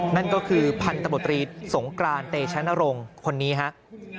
นั่นก็คือพันธบตรีสงกรานเตชะนรงค์คนนี้ครับ